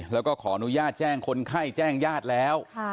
แล้วก็ขออนุญาตแจ้งคนไข้แจ้งญาติแล้ว